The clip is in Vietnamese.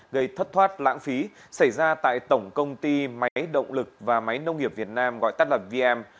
gây thất thoát lãng phí xảy ra tại tổng công ty máy động lực và máy nông nghiệp việt nam gọi tắt lập vm